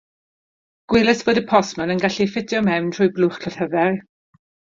Gwelais fod y postmon yn gallu ei ffitio mewn trwy'r blwch llythyrau.